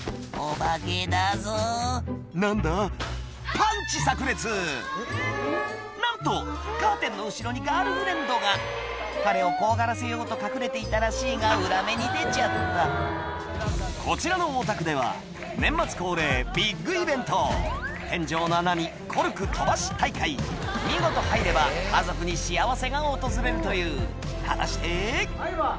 ・パンチさく裂何とカーテンの後ろにガールフレンドが彼を怖がらせようと隠れていたらしいが裏目に出ちゃったこちらのお宅では年末恒例ビッグイベント見事入れば家族に幸せが訪れるという果たして？